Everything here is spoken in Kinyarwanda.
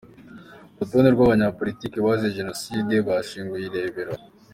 Urutonde rw’abanyapolitiki bazize Jenoside bashyinguye i Rebero.